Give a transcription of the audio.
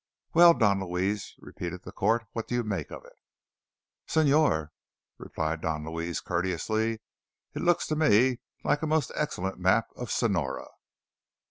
"Well, Don Luis," repeated the court, "what do you make of it?" "Señor," replied Don Luis courteously, "it looks to me like a most excellent map of Sonora."